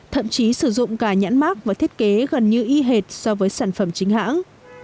thậm chí sử dụng cả nhãn mắc và thiết kế gần như y hệt so với sản phẩm chính hãng